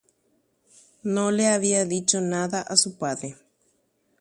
Mbaʼevete nomombeʼúikuri itúvape.